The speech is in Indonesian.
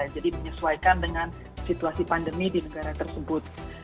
jadi menyesuaikan dengan situasi pandemi di negara tersebut